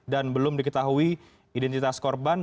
dan belum diketahui identitas korban